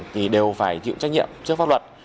thì đều phải chịu trách nhiệm trước pháp luật